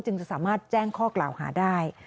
จะสามารถแจ้งข้อกล่าวหาได้